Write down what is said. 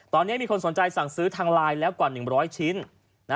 ตอนนี้มีคนสนใจสั่งซื้อทางไลน์แล้วกว่า๑๐๐ชิ้น